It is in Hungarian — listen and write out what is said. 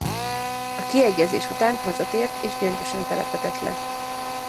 A kiegyezés után hazatért és Gyöngyösön telepedett le.